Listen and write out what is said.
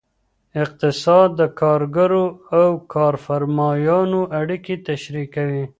اقتصاد د کارګرو او کارفرمایانو اړیکې تشریح کوي.